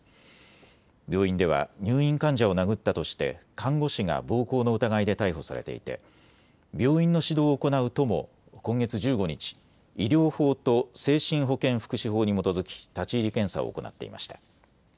病院では入院患者を殴ったとして看護師が暴行の疑いで逮捕されていて病院の指導を行う都も今月１５日、医療法と精神保健福祉法に基づき立ち入り検査を行っていました。